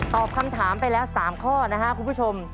ตอบคำถามไปแล้ว๓ข้อนะครับคุณผู้ชม